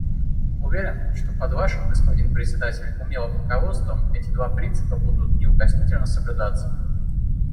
Уверен, что под Вашим, господин Председатель, умелым руководством эти два принципа будут неукоснительно соблюдаться.